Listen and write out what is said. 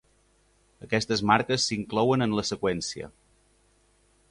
Aquestes marques s'inclouen en la seqüència.